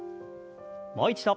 もう一度。